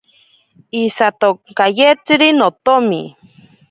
Isatonkayetziri notomi.